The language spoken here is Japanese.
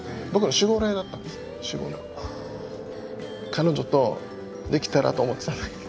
彼女とできたらと思ってたんですよ。